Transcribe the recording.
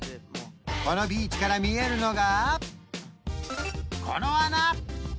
このビーチから見えるのがこの穴！